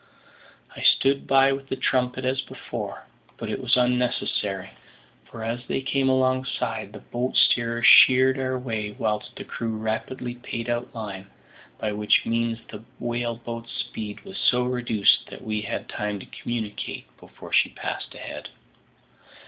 I stood by with the trumpet as before, but it was unnecessary, for as they came alongside, the boat steerer sheered our way, whilst the crew rapidly paid out line, by which means the whale boat's speed was so reduced that we had time to communicate before she passed ahead.